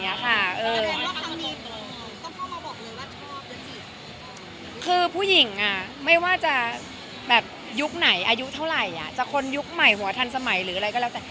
คือผู้หญิงไม่ว่าจะแบบยุคไหนอายุเท่าไหร่จะคนยุคใหม่หัวทันสมัยหรืออะไรก็แล้วแต่